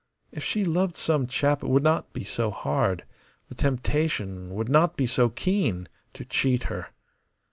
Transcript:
If she loved some chap it would not be so hard, the temptation would not be so keen to cheat her.